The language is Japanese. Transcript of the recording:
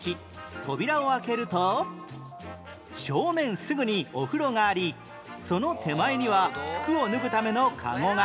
扉を開けると正面すぐにお風呂がありその手前には服を脱ぐためのカゴが